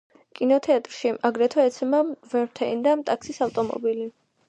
კინოთეატრში აგრეთვე ეცემა ვერტმფრენი და ტაქსის ავტომობილი.